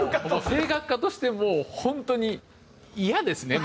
声楽家としてもう本当にイヤですね。